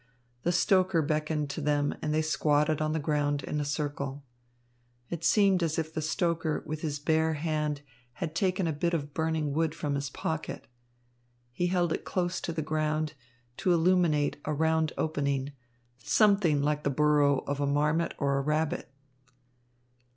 The stoker beckoned to them, and they squatted on the ground in a circle. It seemed as if the stoker with his bare hand had taken a bit of burning wood from his pocket. He held it close to the ground, to illuminate a round opening, something like the burrow of a marmot or a rabbit.